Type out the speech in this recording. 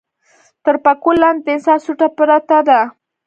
تر پکول لاندې د انسان سوټه پرته ده.